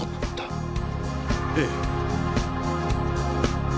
ええ。